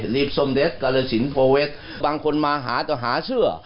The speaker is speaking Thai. รีบสมเด็จกาลสินโพเวคบางคนมาหาต่อหาเสื้อ